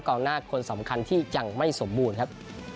หน้าคนสำคัญที่ยังไม่สมบูรณ์ครับ